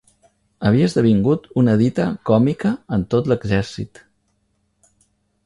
Havia esdevingut una dita còmica en tot l'exèrcit